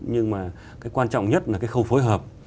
nhưng mà cái quan trọng nhất là cái khâu phối hợp